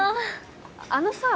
あのさ。